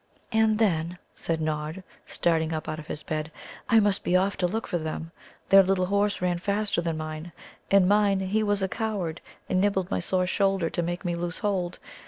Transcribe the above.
"Ah, then," said Nod, starting up out of his bed, "I must be off to look for them. Their Little Horses ran faster than mine. And mine, he was a coward, and nibbled my sore shoulder to make me loose hold.